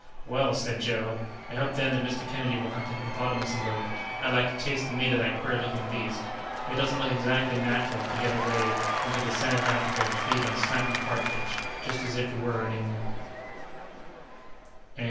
"Well," said Joe, "I hope then that Mr. Kennedy will hunt the hippopotamus a little; I'd like to taste the meat of that queer looking beast. It doesn't look exactly natural to get away into the centre of Africa, to feed on snipe and partridge, just as if we were in England."